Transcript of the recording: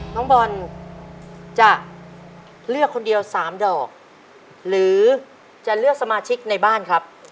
น้องบอลจะเลือกคนเดียว๓ดอกหรือจะเลือกสมาชิกในบ้านครับ